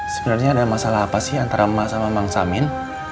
sebenarnya ada masalah apa sih antara mas sama mang samin